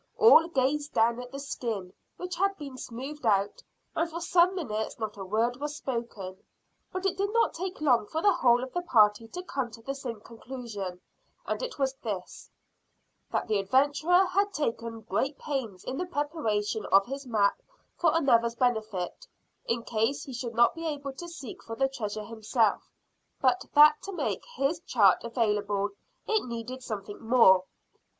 All gazed down at the skin, which had been smoothed out, and for some minutes not a word was spoken. But it did not take long for the whole of the party to come to the same conclusion, and it was this That the adventurer had taken great pains in the preparation of his map for another's benefit, in case he should not be able to seek for the treasure himself, but that to make his chart available it needed something more.